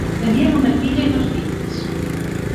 Tenien una filla i dos fills.